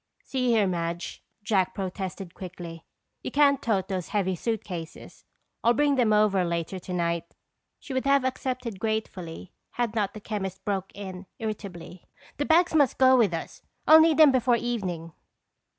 "See here, Madge," Jack protested quickly. "You can't tote those heavy suitcases. I'll bring them over later tonight." She would have accepted gratefully had not the chemist broke in irritably: "The bags must go with us. I'll need them before evening."